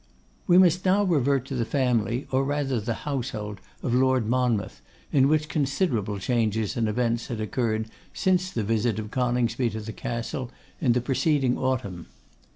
We must now revert to the family, or rather the household, of Lord Monmouth, in which considerable changes and events had occurred since the visit of Coningsby to the Castle in the preceding autumn.